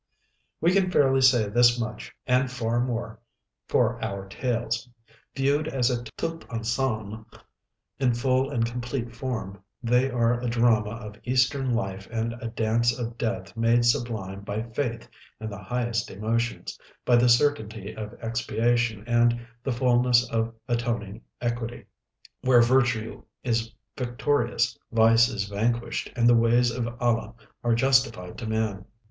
We can fairly say this much and far more for our Tales. Viewed as a tout ensemble in full and complete form, they are a drama of Eastern life, and a Dance of Death made sublime by faith and the highest emotions, by the certainty of expiation and the fullness of atoning equity, where virtue is victorious, vice is vanquished, and the ways of Allah are justified to man.